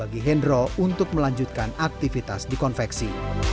bagi hendro untuk melanjutkan aktivitas di konveksi